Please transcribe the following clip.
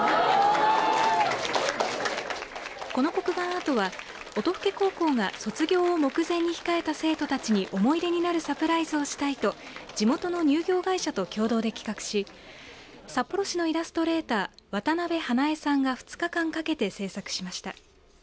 この黒板アートは音更高校が卒業を目前に控えた生徒たちに思い出になるサプライズをしたいと地元の乳業会社と共同で企画し札幌市のイラストレーター渡邉花絵さんが２日間かけて制作しました。